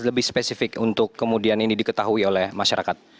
lebih spesifik untuk kemudian ini diketahui oleh masyarakat